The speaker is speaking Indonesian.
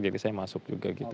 jadi saya masuk juga gitu